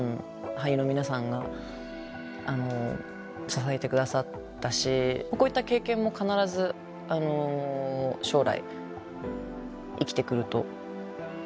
俳優の皆さんが支えて下さったしこういった経験も必ず将来生きてくると思ってます。